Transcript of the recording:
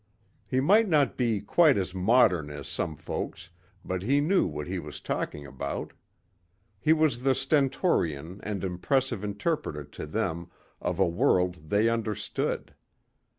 He might not be quite as modern as some folks but he knew what he was talking about. He was the stentorian and impressive interpreter to them of a world they understood.